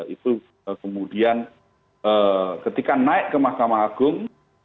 itu kemudian ketika naik ke mahkamah agung